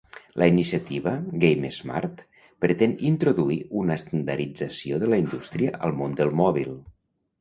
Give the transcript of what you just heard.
La iniciativa "GameSmart" pretén introduir una estandardització de la indústria al món del mòbil.